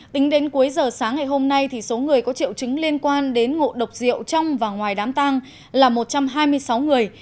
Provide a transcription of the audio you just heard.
tính đến cuối giờ sáng ngày hôm nay số người có triệu chứng liên quan đến ngộ độc rượu trong và ngoài đám tang là một trăm hai mươi sáu người